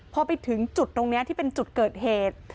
พอไปถึงจุดตรงนี้ที่เป็นจุดเกิดเหตุ